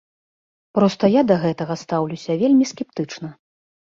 Проста я да гэтага стаўлюся вельмі скептычна.